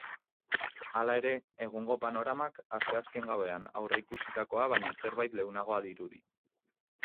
Hala ere, egungo panoramak asteazken gauean aurreikusitakoa baino zerbait leunagoa dirudi.